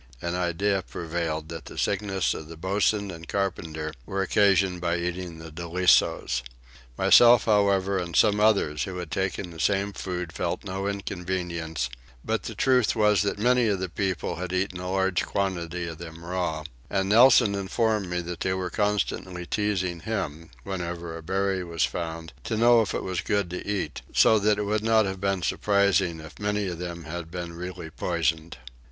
An idea prevailed that the sickness of the boatswain and carpenter was occasioned by eating the dolichos. Myself however and some others who had taken the same food felt no inconvenience; but the truth was that many of the people had eaten a large quantity of them raw, and Nelson informed me that they were constantly teasing him whenever a berry was found to know if it was good to eat; so that it would not have been surprising if many of them had been really poisoned.